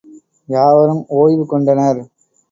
யாவரும் ஒய்வு கொண்டனர்.